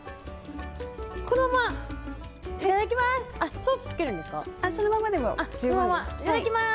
このまま、いただきます。